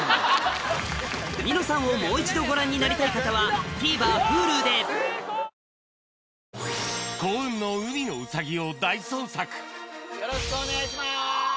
『ニノさん』をもう一度ご覧になりたい方はＴＶｅｒＨｕｌｕで今回は木下工務店を。